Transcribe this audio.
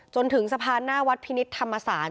จนถึงสะพานหน้าวัดพินิษฐธรรมศาล